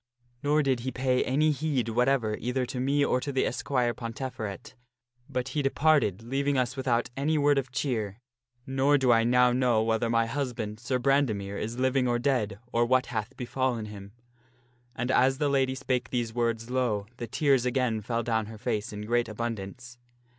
Nor did he pay any heed whatever either to me or to the esquire Ponteferet, but he departed leaving us without any word of cheer; nor do I now know whether my husband, Sir Brandemere, is living or dead, or what hath befallen him." And as the lady spake these words, lo ! the tears again fell down her face in great abundance.